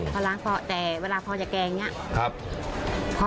พอล้างพอแต่เวลาพอจะแกงอย่างนี้